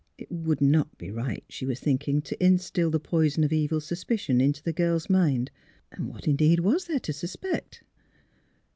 It would not be right, she was thinking, to instill the poison of evil suspicion into the girl's mind. And what, indeed, was there to suspect?